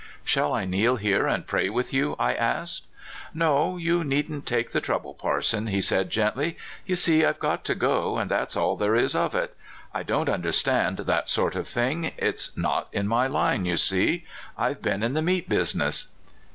" Shall I kneel here and pray with you?'' I asked. " No; you needn't take the trouble, parson," he said gentty; "you see I've got to go, and that's all there is of it. I don't understand that sort of thing; it's not in my line, you see. I've been in the meat business."